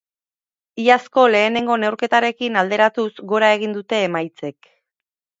Iazko lehenengo neurketarekin alderatuz, gora egin dute emaitzek.